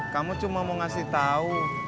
kamu cuma mau ngasih tahu